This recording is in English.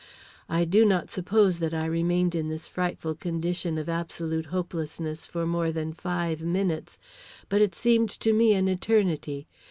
I do not suppose that I remained in this frightful condition of absolute hopelessness for more than five minutes, but it seemed to me an eternity.